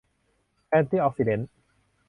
แอนติออกซิแดนท์